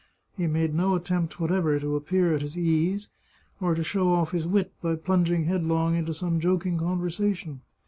He made no attempt whatever to appear at his ease, or to show ofT his wit by plunging headlong into some joking conversation.